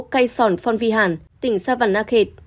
cây sòn phong vi hàn tỉnh sa văn nạc hệt